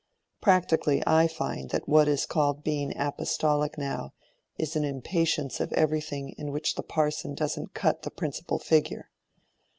Practically I find that what is called being apostolic now, is an impatience of everything in which the parson doesn't cut the principal figure.